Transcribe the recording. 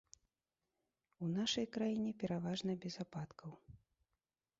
У нашай краіне пераважна без ападкаў.